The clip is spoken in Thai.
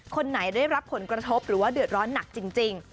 คนไหนได้รับผลกระทบหรือว่าเดือดร้อนหนักจริง